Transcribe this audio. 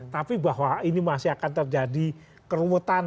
tapi bahwa ini masih akan terjadi kerumutan